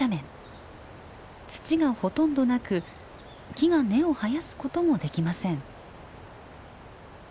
土がほとんどなく木が根を生やすこともできません。